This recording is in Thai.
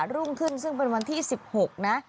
รุ่งขึ้นซึ่งเป็นวันที่๑๖นะ